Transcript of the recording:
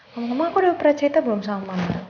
ngomong ngomong aku udah bercerita belum sama mama